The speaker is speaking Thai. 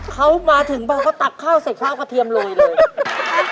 เค้ามาถึงบอลเบอร์เค้าตักข้าวเศรษฐกระเทียมโรยเลย